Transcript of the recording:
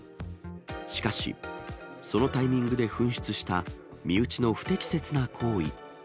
しかし、そのタイミングで噴出した身内の不適切な行為。